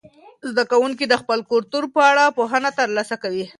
زده کوونکي د خپل کلتور په اړه پوهنه ترلاسه کوي.